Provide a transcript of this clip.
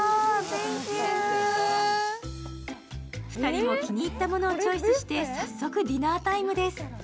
２人も気に入ったものをチョイスして早速ディナータイムです。